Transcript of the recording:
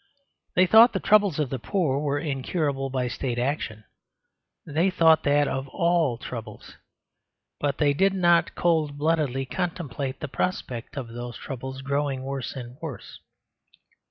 They thought the troubles of the poor were incurable by State action (they thought that of all troubles), but they did not cold bloodedly contemplate the prospect of those troubles growing worse and worse.